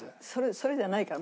それじゃないから。